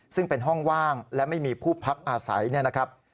ซึ่งเป็นห้องว่างและไม่มีผู้พักอาศัยเนี่ยนะครับ